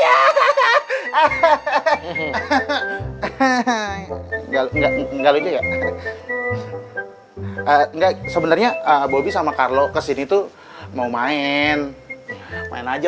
enggak enggak sebenarnya bobby sama carlo kesini tuh mau main main aja